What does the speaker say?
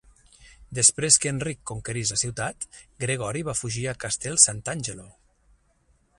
Després que Enric conquerís la ciutat, Gregori va fugir a Castel Sant'Angelo.